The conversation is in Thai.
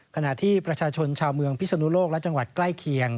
ขณะที่ประชาชนชาวเมืองพิศนุโลกและจังหวัดใกล้เคียง